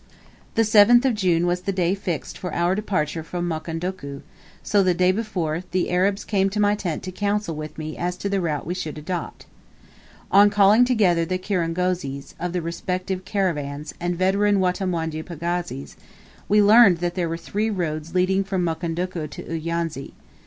The 7th of June was the day fixed for our departure from Mukondoku, so the day before, the Arabs came to my tent to counsel with me as to the route we should adopt. On calling together the kirangozis of the respective caravans and veteran Wanyamwezi pagazis, we learned there were three roads leading from Mukondoku to Uyanzi.